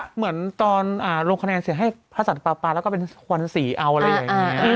เหมือนตอนโรงคณะงานเสียงให้ภาษาปาปาแล้วก็เป็นสวนสีเอาอะไรอย่างนี้